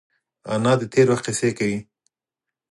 انا د تېر وخت کیسې کوي